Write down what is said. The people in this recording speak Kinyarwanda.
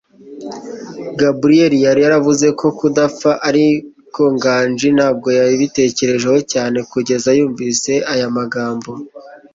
Gabriel yari yavuze ku kudapfa, ariko Nganji ntabwo yari yabitekerejeho cyane, kugeza yumvise aya magambo.